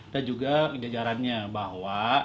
dan juga jajarannya bahwa